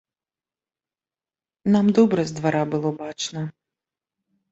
Нам добра з двара было бачна.